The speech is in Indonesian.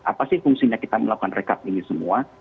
apa sih fungsinya kita melakukan rekap ini semua